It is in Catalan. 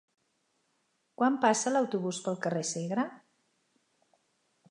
Quan passa l'autobús pel carrer Segre?